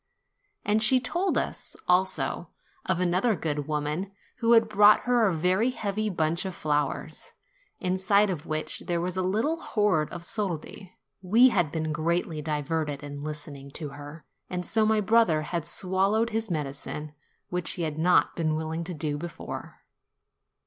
And she told us, also, of another good woman, who had brought her a very heavy bunch of flowers, inside of which there was a little hoard of soldi. We had been greatly diverted in listening to her, and so my brother had swallowed his medicine, which he had not been willing to do before.